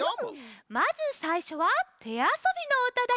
まずさいしょはてあそびのうただよ。